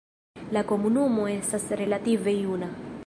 La komunumo estas relative juna.